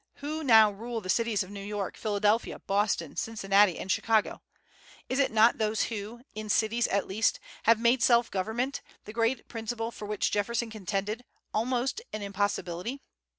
Who now rule the cities of New York, Philadelphia, Boston, Cincinnati, and Chicago? Is it not those who, in cities at least, have made self government the great principle for which Jefferson contended almost an impossibility?